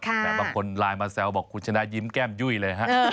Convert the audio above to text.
แต่บางคนไลน์มาแซวบอกคุณชนะยิ้มแก้มยุ่ยเลยฮะ